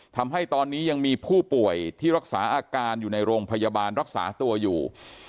ทำให้ตอนนี้ยังมีผู้ป่วยที่รักษาอาการอยู่ในโรงพยาบาลรักษาตัวอยู่